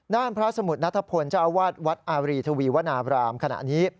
ด้านพระสมุทรนัทพลเจ้าอาวาสวัดอารีทวีวนาบรามขณะนี้